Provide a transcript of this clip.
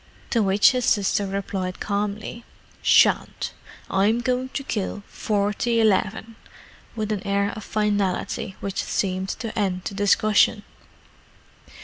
To which his sister replied calmly, "Shan't: I'm going to kill forty 'leven," with an air of finality which seemed to end the discussion.